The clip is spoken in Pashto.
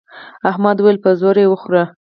احمد وويل: په زور یې وخوره.